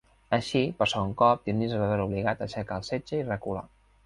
Així, per segon cop, Dionís es va veure obligat a aixecar el setge i recular.